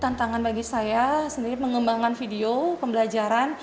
tantangan bagi saya sendiri mengembangkan video pembelajaran